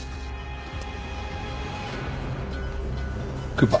クーパー。